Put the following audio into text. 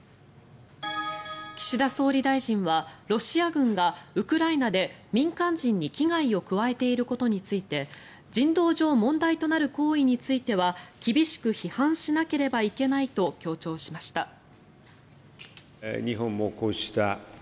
岸田総理大臣はロシア軍がウクライナで民間人に危害を加えていることについて人道上問題となる行為については厳しく批判しなければいけないと強調しました。